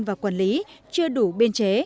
và quản lý chưa đủ biên chế